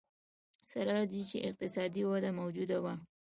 سره له دې چې اقتصادي وده موجوده وه.